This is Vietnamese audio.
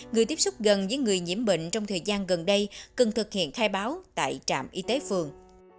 người tiếp xúc gần với người nhiễm bệnh trong thời gian gần đây cần thực hiện khai báo tại trạm y tế phường